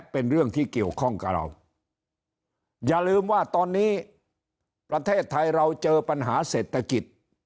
เป็นเรื่องที่เกี่ยวข้องกับเราอย่าลืมว่าตอนนี้ประเทศไทยเราเจอปัญหาเศรษฐกิจ